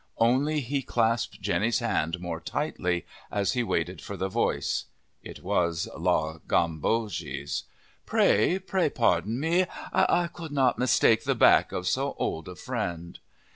Only he clasped Jenny's hand more tightly, as he waited for the voice. It was La Gambogi's. "Pray, pray, pardon me! I could not mistake the back of so old a friend."